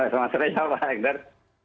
selamat sore pak egdar